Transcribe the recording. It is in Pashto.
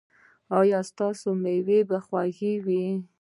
ایا ستاسو میوه به خوږه وي؟